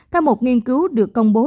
theo một nghiên cứu được công bố